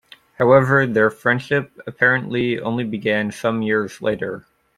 However, their friendship apparently only began some years later.